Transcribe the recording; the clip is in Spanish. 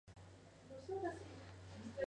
Él se describe asimismo como palestino-israelí.